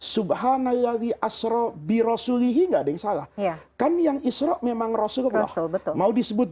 subhanalai asro birasulihi nggak ada yang salah ya kan yang isro memang rasul allah mau disebut